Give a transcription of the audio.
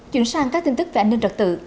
chuyển sang các tin tức về an ninh trật tự